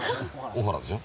小原でしょ？